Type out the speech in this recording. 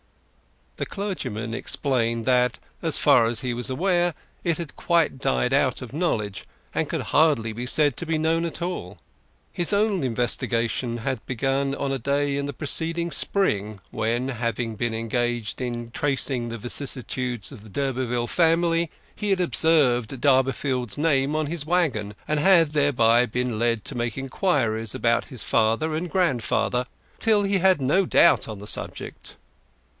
The clergyman explained that, as far as he was aware, it had quite died out of knowledge, and could hardly be said to be known at all. His own investigations had begun on a day in the preceding spring when, having been engaged in tracing the vicissitudes of the d'Urberville family, he had observed Durbeyfield's name on his waggon, and had thereupon been led to make inquiries about his father and grandfather till he had no doubt on the subject.